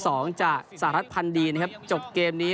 จากสหรัฐพันธ์ดีนะครับจบเกมนี้